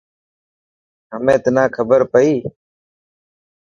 همي تنا کبر پئي.